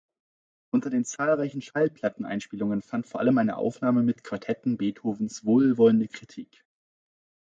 Unter den zahlreichen Schallplatteneinspielungen fand vor allem eine Aufnahme mit Quartetten Beethovens wohlwollende Kritik.